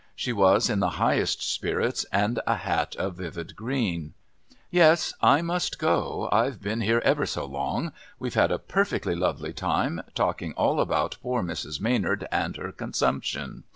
She was in the highest spirits and a hat of vivid green. "Yes, I must go. I've been here ever so long. We've had a perfectly lovely time, talking all about poor Mrs. Maynard and her consumption.